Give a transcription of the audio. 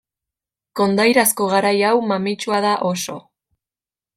Kondairazko garai hau mamitsua da oso.